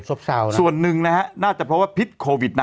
ส่วนหนึ่งนะฮะน่าจะเพราะว่าพิษโควิดนะ